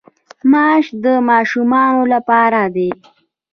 ماش د ماشومانو لپاره دي.